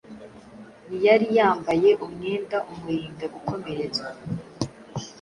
ntiyari yambaye umwenda umurinda gukomeretswa